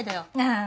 ああ。